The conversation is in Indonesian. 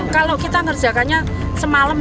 kalau kita ngerjakannya semalam